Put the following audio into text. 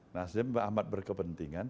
nasdem amat berkepentingan